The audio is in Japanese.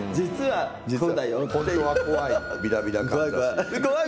それは怖い。